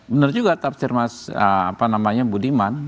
benar juga tafsir mas budiman